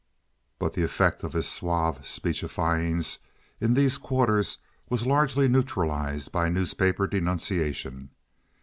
But the effect of his suave speechifyings in these quarters was largely neutralized by newspaper denunciation.